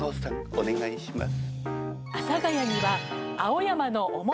お願いします。